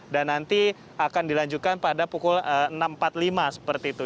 dan nanti akan dilanjutkan pada pukul enam empat puluh lima seperti itu